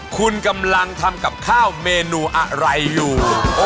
คุณกำลังทำกับข้าวเมนูอะไรอยู่